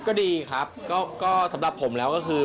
ก็ดีครับก็สำหรับผมแล้วก็คือ